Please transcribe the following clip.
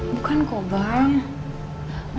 bukan kok bang